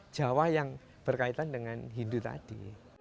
jawa yang berkaitan dengan hindu tadi